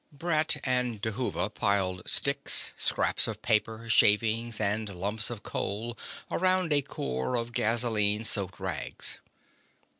Brett and Dhuva piled sticks, scraps of paper, shavings, and lumps of coal around a core of gasoline soaked rags.